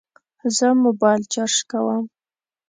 زه موبایل چارج کوم